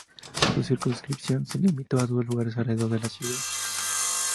Su circunscripción se limitó a dos lugares alrededor de la ciudad.